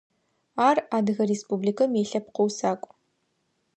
Ар Адыгэ Республикым илъэпкъ усакӏу.